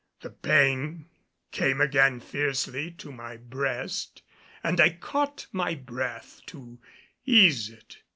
The pain came again fiercely to my breast and I caught my breath to ease it.